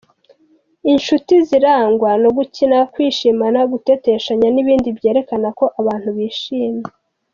Inshuti zirangwa no gukina, kwishimana, guteteshanya n’ibindi byerekana ko abantu bishimye.